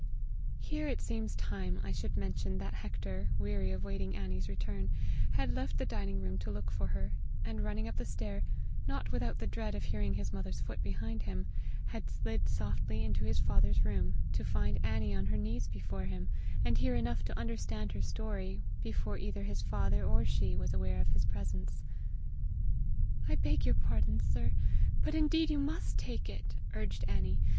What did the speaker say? Here it seems time I should mention that Hector, weary of waiting Annie's return, had left the dining room to look for her; and running up the stair, not without the dread of hearing his mother's foot behind him, had slid softly into his father's room, to find Annie on her knees before him, and hear enough to understand her story before either his father or she was aware of his presence. "I beg your pardon, sir, but indeed you must take it," urged Annie.